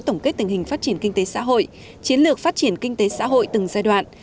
tổng kết tình hình phát triển kinh tế xã hội chiến lược phát triển kinh tế xã hội từng giai đoạn